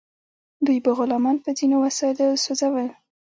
دوی به غلامان په ځینو وسایلو سوځول.